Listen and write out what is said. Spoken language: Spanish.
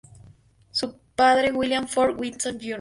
Su padre William Ford Gibson Jr.